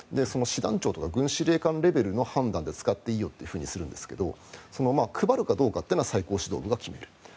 師団長とか軍司令官レベルの判断で使っていいよとするんですけど、配るかどうかは最高指導部が決める。